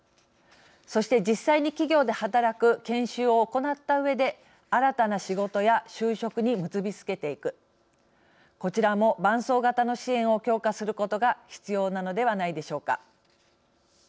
そして実際に企業で働く研修を行ったうえで新たな仕事や就職に結び付けていくこちらも伴走型の支援を強化することが必要なのではないでしょうか。